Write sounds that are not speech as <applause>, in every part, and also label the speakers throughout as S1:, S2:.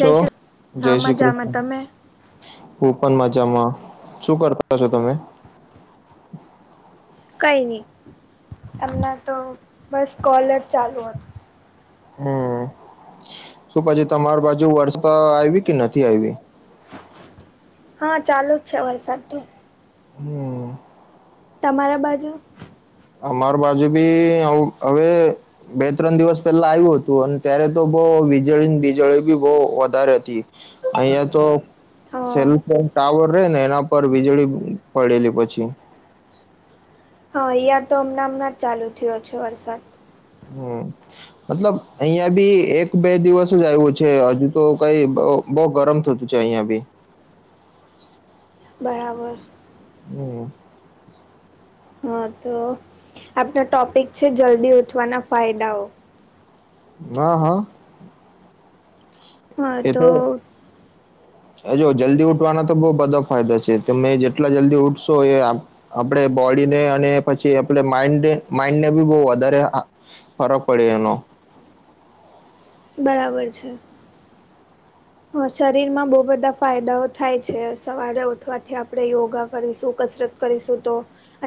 S1: છો જય
S2: હા
S1: શ્રી
S2: મજામાં
S1: કૃષ્ણ.
S2: તમે
S1: હું પણ મજામાં શું કરતા છો તમે?
S2: કંઈ નહી તમને તો બસ કોલ જ ચાલુ હતો.
S1: હમ શું પછી તમારી બાજુ વર્ષા આવી કે નથી આવી?
S2: હા ચાલુ જ છે વરસાદ તો.
S1: હમ
S2: તમારા બાજુ?
S1: અમાર બાજુ બી હવે બે ત્રણ દિવસ પહેલા આવ્યું હતું અને ત્યારે તો બવ વીજળી બીજળી બી બવ વધારે હતી. અહિયા તો
S2: હા
S1: સેલફોન ટાવર રે ને એના પર વીજળી પડેલી પછી
S2: હા અહીંયા તો હમણાં હમણાં જ ચાલુ થયો છે વરસાદ.
S1: હમ મતલબ અહિયાં બી એક બે દિવસ જ આવ્યું છે હજુ તો કઈ બવ ગરમ થતું છે અહીંયા બી
S2: બરાબર
S1: હમ
S2: હા તો આપનો ટોપિક છે જલ્દી ઉઠવાના ફાયદાઓ
S1: હા હા એ તો હ જો જલ્દી ઉઠવાના તો બહ બધા ફાયદા છે તમે જેટલા જલ્દી ઉઠશો એ આપણે બોડીને અને પછી આપ માઇન્ડને બી બહુ વધારે ફરક પડે એનો
S2: બરાબર છે
S1: <inaudible>
S2: હ શરીર માં બહુ બધા ફાયદાઓ થાય છે સવારે ઉઠવાથી આપણે યોગા કરીશું કસરત કરીશું તો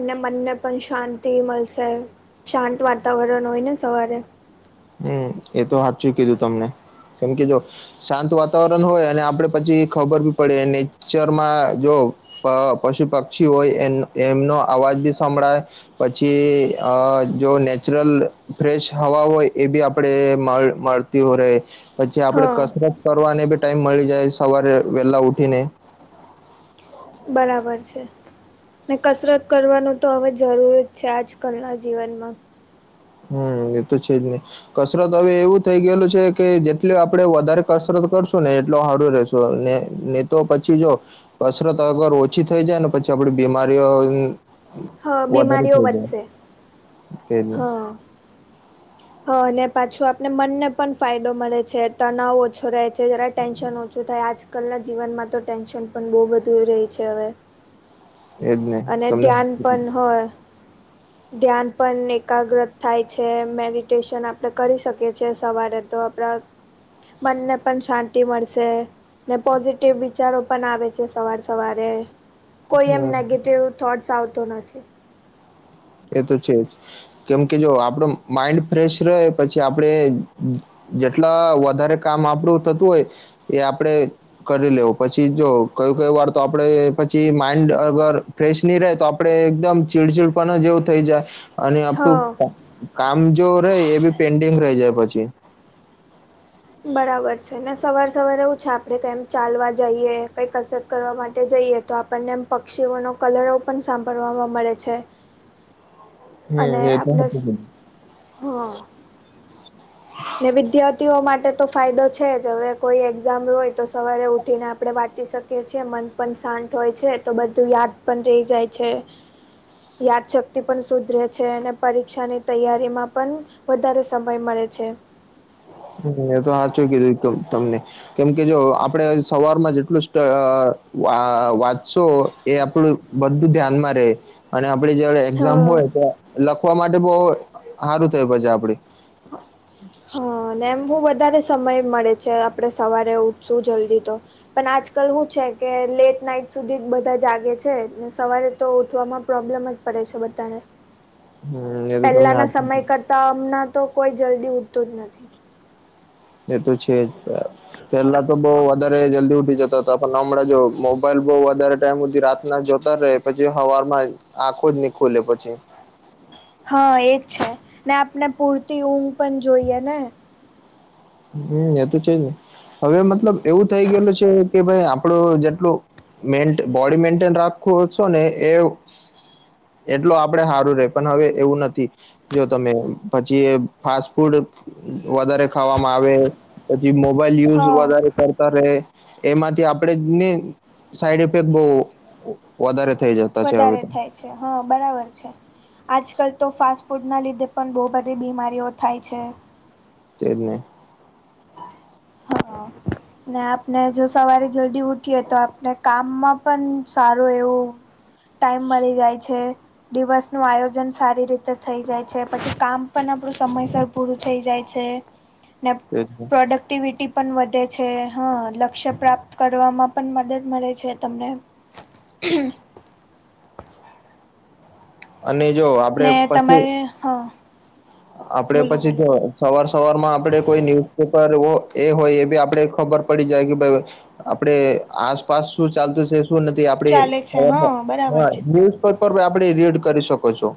S2: અને મનને પણ શાંતિ મળશે શાંત વાતાવરણ હોય ને સવારે
S1: હમ એ તો હાથચું કીધું તમને કેમ કે જો શાંત વાતાવરણ હોય અને આપડે પછી ખબર બી પડે નેચરમાં જો અ પશુ પક્ષી હોય એ એમનો અવાજ બી સંભળાય પછી અ જો નેચરલ ફ્રેશ હવા હોય એ બી આપડે મળતી હોય રે પછી આપડે
S2: હા
S1: કસરત કરવાને બી ટાઈમ મળી જાય સવારે વહેલા ઉઠી ને
S2: બરાબર છે ને કસરત કરવાનું તો હવે જરૂર જ છે આજકાલના જીવનમાં
S1: હમ એતો છે જ નહી કસરત હવે એવું થઇ ગયેલું છે કે જેટલી આપડે વધારે કસરત કરશું ને એટલ સારું રશું ને ને તો પછી જો કસરત અગર ઓછી થઈ જાય ને પછી આપડી બીમારીઓ
S2: હા
S1: વધારે
S2: બીમારીઓ
S1: થઇ જાય
S2: વધશે
S1: એજ ને
S2: હા હા અને પાછું આપને મનને પણ ફાયદો મળે છે તનાવ ઓછો રહે છે જરા ટેન્શન ઓછું થાય આજ આજકાલના જીવનમાં તો ટેન્શન પણ બહુ બધું રહે છે હવે
S1: હ
S2: અને ધ્યાન પણ હોય ધ્યાન પણ એકાગ્રત થાય છે મેડિટેશન આપણેે કરી શકીએ છીએ સવારે તો આપડા મનને પણ શાંતિ મળશે ને પોઝિટિવ વિચારો પણ આવે છે સવાર સવારે કોઈ એમ
S1: હમ્મ.
S2: નેગેટિવ થોટ્સ આવતો નથી
S1: એ તો છે જ કેમ કે જો આપડો માઈન્ડ ફ્રેશ રહે પછી આપડે જેટલા વધારે કામ આપડું થતું હોય એ આપડે કરી લેવું પછી જો કય કય વાર તો આપડે પછી માઈન્ડ અગર ફ્રેશ નહી રહે તો આપડે એકદમ ચીડચીડ પણ જેવું થઈ જાય અને
S2: હ
S1: આપણું કામ જો રે એ બી પેન્ડિંગ રહી જાય પછી
S2: બરાબર છે ને સવાર સવારે એવું છે આપ ણે કેમ ચાલવા જઈએ કઈકશે કરવા માટે જઈએ તો આપણને એમ પક્ષીઓનો કલરવ પણ સાંભળવા મળે છે
S1: હમ એ તો
S2: હા ને વિદ્યાર્થીઓ માટે તો ફાયદો છે જ હવે કોઈ એક્ઝામ હોય તો સવારે ઉઠીને આપણે વાંચી શકીએ છે મન પણ શાંત હોય છે તો બધું યાદ પણ રહી જાય છે યાદશક્તિ પણ સુુધરે છે અને પરીક્ષાની તૈયારીમાં પણ વધારે સમય મળે છે
S1: હમ એ તો સાચું કીધું તમને કેમ કે જો આપડણે સવારમાં જેટલું વાત સો એ આપડું બધું ધ્યાનમાં રે અને આપડ જ એક્ઝામ
S2: હા
S1: હોય ત શવા માટે બહુ સારું થયું પછ આપડ
S2: હા એમ બ વધારે સમય મળે છે આપડણે સવારે ઉઠશું જલ્દી તો પણ આજકાલ શું છે કે લેટ નાઈટ સુધી બધા જાગે છેને સવારે તો ઉઠવામાં પ્રોબ્લેમ જ પડ શ બધને
S1: હમ એ તો તમને હા
S2: અમણા તો કોઈ જલ્દી ઉઠતો જ નથી
S1: એ તો છે જ પેલા તો બહ વધારે જલ્દી ઉઠી જતા હતા પણ નમણાં જો મોબાઈલ બહ વધારે ટાઈમધી રા. ના જોતા રહે પછી હવારમાં આંખું જ ની ખુલે પછી.
S2: હા એજ છે ને આપણે પૂરતી ઊંઘ પણ જોઈએ ને
S1: હમ એ તો છેજ નહી હવે મતલબ એવું થઈ ગયેલું છે કે ભાઈ આપડો જેટલો મે બોડી મેન્ટેન રાખો છો ને એ એટલો આપડે સારું રે પણ હવે એવું નથી. જો તમે પછી ફાસ્ટ ફૂડ વધારે ખાવા પછી મોબાઈલ યુઝ
S2: હા
S1: વધ ત્યારે એમાંથી આપડે ને સાઈડ ઇફેક્ટ બહુ વધારે થઈ જશે
S2: વધારે થાય છે હા બરાબર છે આજકાલ તો ફાસ્ટ ફૂડના લીધે પણ બહુ બધી બીમારીઓ થાય છે
S1: છે ના
S2: હા ને આપણે જો સવારે જલ્દી ઉઠીએ તો આપણે કામમાં પણ સારું એવું. ટાઈમ મળી જાય છે દિવસ નું આયોજન સારી રીતે થઈ જાય છે પછી કામ પણ આપણું સમયસર પૂરું થઈ જાય છે. નાને
S1: એ
S2: એક્ટિવિટી પણ વધે છે હા લક્ષ્ય પ્રાપ્ત કરવામાં પણ મદદ મળે છે તમને હમ
S1: અને જો આપડે
S2: ને
S1: પશું
S2: તમારે હા
S1: આપડે
S2: બોલો બોલો
S1: પછી સવાર સવાર માં આપડે કોઈ ન્યુઝપેપર એ હોય એ બી આપડે ખબર પડી જાય કે ભ આપડે આસપાસ શું ચાલતું છે શું નથી આપડી
S2: ચાલે છે
S1: ખર
S2: હા બરાબર છે.
S1: પેપર આપડે રીડ કરી શકો છો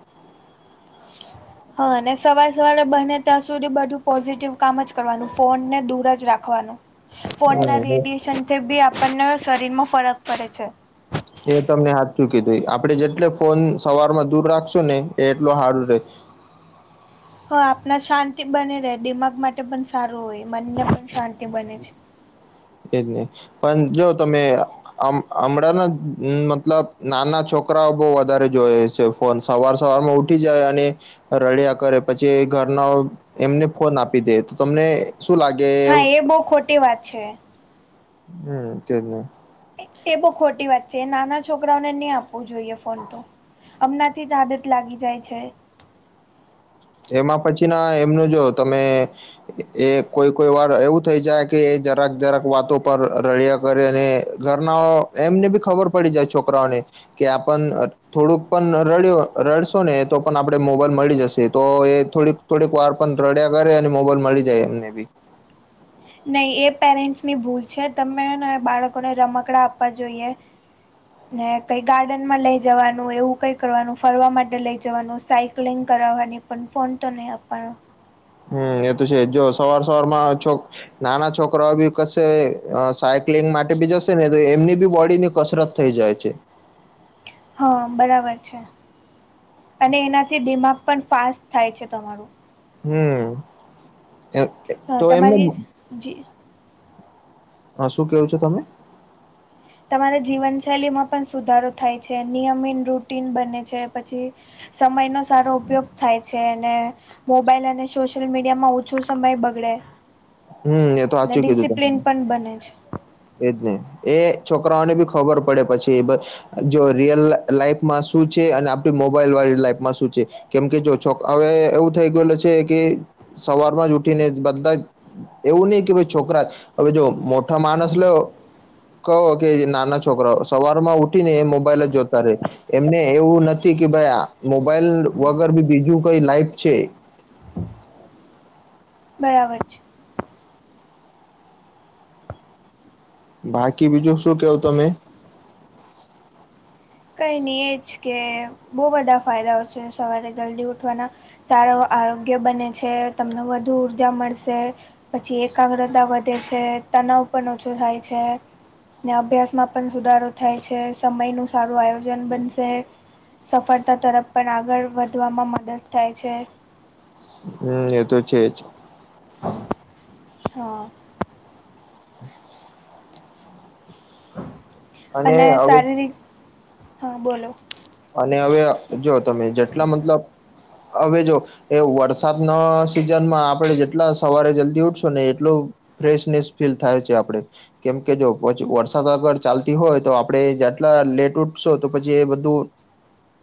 S2: હા અને સવારે સવારે બને ત્યાં સુધી બધું પોઝિટિવ કામ જ કરવાનું ફોનને દૂર જ રાખવાનું. ફોન ના
S1: હા
S2: રેડિયશનથી બી આપણને શરીરમાં ફરક પડે છે.
S1: એ તમને હાથ ચૂકી દ આપડે જેટલે ફોન સવારમાં દૂર રાખશું ને એ એટલો હાર્ડ રહે
S2: હા આપણા શાંતિ બને રહે દિમાગ માટે પણ સારું હોય મનને પણ શાંતિ બને છે.
S1: એજ નહી પણ જો તમે હમણાં ને મતલબ નાના છોકરાઓ બહ વધારે જોય છે. ફોન સવાર સવાર માં ઉઠી જાય અને રળિયા કરે પછી ઘરના એમને ફોન આપી દે તો તમને શું લાગે
S2: હા એ બહુ ખોટી વાત છે.
S1: હમ કે જને
S2: એ બહ ખોટી વાત છે નાના છોકરાઓને નહી આપવું જોઈએ ફોન તો હમણાંથી જ આદત લાગી જાય છે.
S1: એમાં પછી ના એમનું જો તમે એ કોઈ કોઈ વાર એવું થઈ જાય કે એ જરાક જરાક વાતો પર રળિયા કરી અને ઘરના એમને બી ખબર પડી જાય છોકરાઓને. કે આપ થોડુંક પણ રડ્યો રડશો ને તો પણ આપણે મોબાઈલ મળી જશે તો એ થોડીક થોડીક વાર પણ રડ્યા કરે અને મોબાઈલ મળી જાય એમને બી.
S2: નહી એ પેરેન્ટ્સની ભૂલ છે તમેને બાળકોને રમકડા આપવા જોઈએ. ને કઈ ગાર્ડન માં લઈ જવાનું એવું કઈ કરવાનું ફરવા માટે લઈ જવાનું. સાયકલિંગ કરાવવાની પણ ફોન તો નહી આપવાનો.
S1: હમ એ તો છે જો સવાર સવારમાં છોક-' નાના છોકરાઓ બી કશે સાયક્લિંગ માટે બી જશે ને તો એમની બી બોડી ની કસરત થઈ જાય છે.
S2: હા બરાબર છે. અને એનાથી દિમાગ પણ ફાસ્ટ થાય છે તમારું.
S1: હમ એ
S2: હા
S1: તો એમને
S2: તમારી જી
S1: હા શું કેવું છે તમે?
S2: તમારા જીવનશૈલી માં પણ સુધારો થાય છે નિયમન રૂટીન બને છે પછી સમયનોો સારો ઉપયોગ થાય છે અને મોબાઈલ અને સોશિયલ મીડિયા માં ઓછો સમય બગડે.
S1: હમ એ તો સાચું કીધું
S2: ડિસિપ્લિન
S1: તમે
S2: પણ બને છે.
S1: એજ નહી એ છોકરાઓને બી ખબર પડે પછી જો રિયલ લાઈફમાં શું છે અને આપડી મોબાઈલ વાળી લાઈફમાં શું છે? કેમ કે જો છો હવે એવું થઈ ગયેલ છે કે સવારમાં જ ઉઠીને બધા જ એવું નહી કે ભાઈ છોકરા હ જો મોઠા માણસ લો કહો કે નાના છોકરા સવાર માં ઉઠી ને મોબાઈલ જ જોતા રે. એમને એવું નથી કે ભાઈ આ મોબાઈલ વગર બી બીજું કઈ લાઈફ છે.
S2: બરાબર છે.
S1: બાકી બીજું શું કેવું તમે?
S2: કઈ નહી એ જ કે બહ બધા ફાયદાઓ છે સવારે જલ્દી ઉઠવાના. સારો આરોગ્ય બને છે તમને વધુ ઉ ઊર્જા મળશે. પછી એકાગ્રતા વધે છે તનાવ પણ ઓછો થાય છે ને અભ્યાસમાં પણ સુધારો થાય છે સમય નું સારું આયોજન બનશે. સફળતા તરફ પણ આગળ વધવામાં મદદ થાય છે.
S1: હમ એ તો છે જ.
S2: હા અને શારીરિક હા બોલો
S1: અને હવે જો તમે જેટલા મતલબ હવે જો એ વરસાદના સિઝનમાં આપણે જેટલા સવારે જલ્દી ઉઠશું ને એટલું ફ્રેશનેસ ફીલ થાય છે આપડે કેમ કે જો પછી વરસાદ અગર ચાલતી હોય તો આપણે જેટલા લેટ ઉઠશો તો પછી એ બધું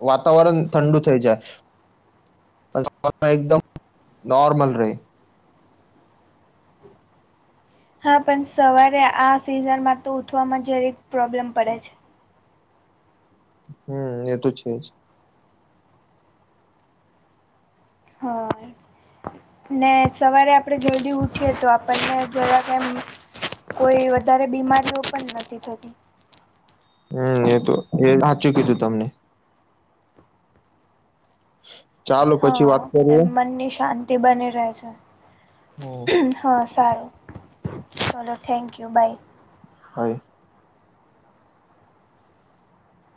S1: વાતાવરણ ઠંડુ થઈ જાય એકદમ નોર્મલ રે
S2: હા પણ સવારે આ સિઝનમાં તો ઉઠવામાં જરેક પ્રોબ્લેમ પડે છે.
S1: હમ એ તો છે જ
S2: હા ને સવારે આપડણે જદી ઉઠીએ તો આપણને જવા કેમ કોઈ વધારે બીમારીઓ પણ નથી થતી.
S1: હમ એ તો એ સાચું કીધું તમને હ
S2: હા એમ મનની શાંતિ બની રહે છે.
S1: હમ
S2: હા સારું ચલો થેન્ક યુ બાય.
S1: હ <inaudible>